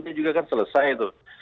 dia juga kan selesai itu